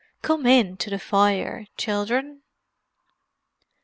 "Come in to the fire, children."